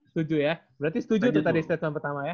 setuju ya berarti setuju itu tadi statement pertama ya